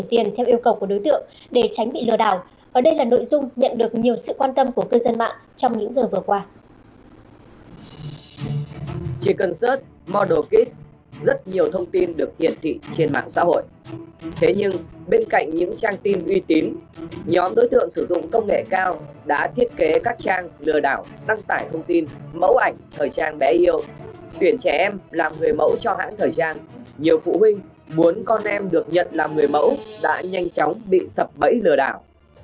tuyển trẻ em làm người mẫu cho hãng thời trang nhiều phụ huynh muốn con em được nhận làm người mẫu đã nhanh chóng bị sập bẫy lừa đảo